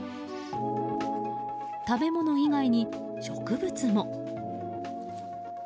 食べ物以外に、植物も。